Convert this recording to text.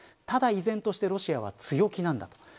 ただ依然としてロシアは強気なんだと。